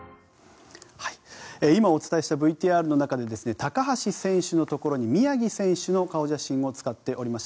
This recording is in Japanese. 今お伝えしたＶＴＲの中で高橋選手のところに宮城選手の顔写真を使っておりました。